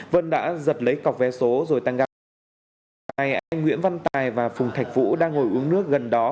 vân đã giật lấy cọc vé số rồi tăng ga anh nguyễn văn tài và phùng thạch vũ đang ngồi uống nước gần đó